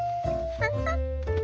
ハハッハ。